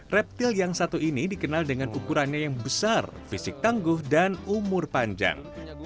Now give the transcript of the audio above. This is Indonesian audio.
reptil yang satu ini dikenal dengan ukurannya yang besar fisik tangguh dan umur panjang